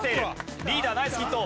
リーダーナイスヒント。